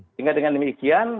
sehingga dengan demikian